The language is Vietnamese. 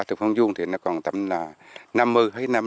thực phân dung thì nó còn tầm là năm mươi hay năm mươi